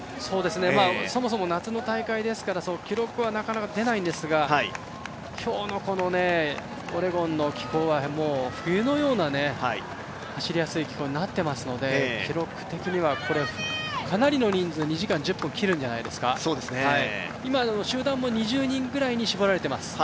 そもそも夏の大会ですから記録はなかなか出ないんですが、今日のオレゴンの気候は冬のような走りやすい気候になっていますので記録的にはかなりの人数２時間１０分を切るんじゃないですか今、集団も２０人ぐらいに絞られています。